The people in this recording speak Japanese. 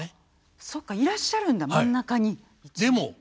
そっかいらっしゃるんだ真ん中に。